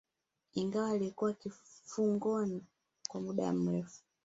ingawa alikuwa kifungoni kwa muda mrefu